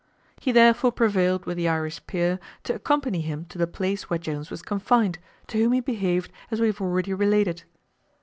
He therefore prevailed with the Irish peer to accompany him to the place where Jones was confined, to whom he behaved as we have already related.